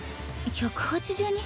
１８２？